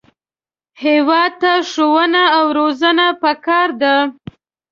هېواد ته ښوونه او روزنه پکار ده